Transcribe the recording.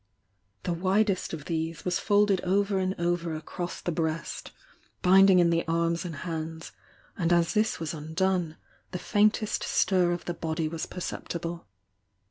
The widest of these was folded over and over across the breast, binding in the arms and hands, and as this was un done, the faintest stir of the body was perceptible.